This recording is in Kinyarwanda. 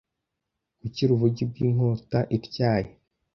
gukira ubugi bw’inkota intyaye